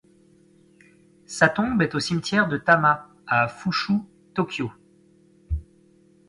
Sa tombe est au cimetière de Tama, à Fuchu, Tokyo.